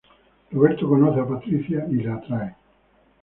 Roberto conoce a Patricia y le atrae.